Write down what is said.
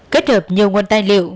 kết hợp nhiều nguồn tài liệu